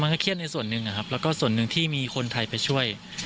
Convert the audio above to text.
เครียดในส่วนหนึ่งนะครับแล้วก็ส่วนหนึ่งที่มีคนไทยไปช่วย